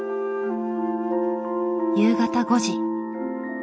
夕方５時。